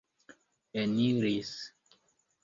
eniris